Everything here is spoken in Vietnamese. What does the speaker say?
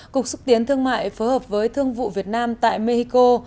cục xúc tiến thương mại phối hợp với thương vụ việt nam tại mexico